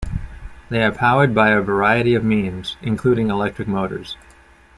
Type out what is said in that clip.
They are powered by a variety of means, including electric motors.